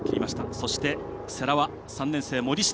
そして世羅は３年生、森下。